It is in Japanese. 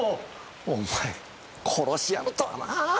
お前殺しやるとはな！